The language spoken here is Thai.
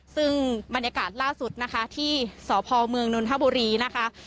ซึ่งบรรยากาศล่าสุดนะคะที่สพเมืองนนทบุรีนะคะ